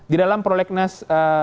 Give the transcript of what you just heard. di dalam prolegnas dua ribu sembilan belas